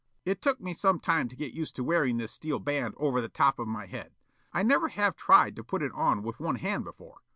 It took me some time to get used to wearing this steel band over the top of my head. I never have tried to put it on with one hand before.